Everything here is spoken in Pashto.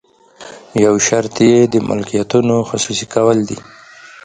یو شرط یې د ملکیتونو خصوصي کول دي.